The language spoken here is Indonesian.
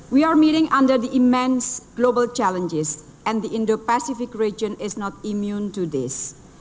pertama permasalahan tersebut tidak terhadap keadaan indonesia